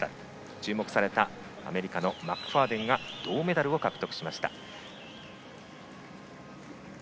注目されたアメリカのマクファーデンが銅メダルを獲得しました。